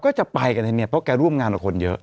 ก็จะไปกันให้เนี่ยเพราะแกร่วมงานกับคนเยอะ